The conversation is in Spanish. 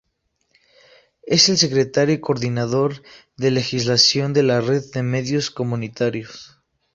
Es el secretario y Coordinador de Legislación de la Red de Medios Comunitarios.